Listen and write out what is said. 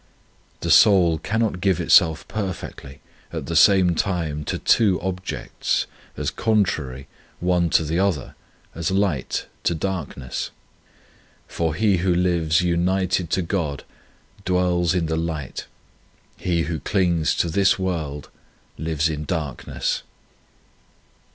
The soul cannot give itself perfectly at the same time to two objects as contrary one to 23 On Union with God another as light to darkness ; l for he who lives united to God dwells in the light, he who clings to this world lives in darkness.